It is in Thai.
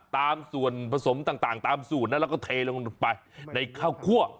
ตามส่วนผสมต่างตามสูตรนะแล้วก็เทลงไปในข้าวคั่ว